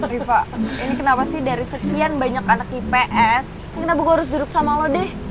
riva ini kenapa sih dari sekian banyak anak ips kenapa gue harus duduk sama lo deh